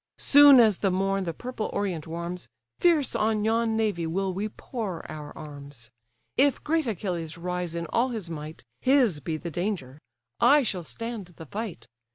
Soon as the morn the purple orient warms, Fierce on yon navy will we pour our arms. If great Achilles rise in all his might, His be the danger: I shall stand the fight.